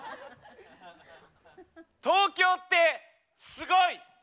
「東京ってすごい」。